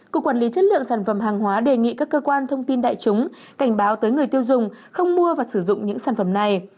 cục quản lý chất lượng sản phẩm hàng hóa đề nghị các cơ quan thông tin đại chúng cảnh báo tới người tiêu dùng không mua và sử dụng những sản phẩm này